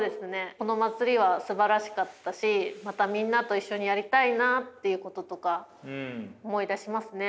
この祭りはすばらしかったしまたみんなと一緒にやりたいなっていうこととか思い出しますね。